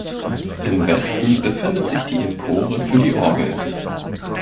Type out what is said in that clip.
Im Westen befindet sich die Empore für die Orgel.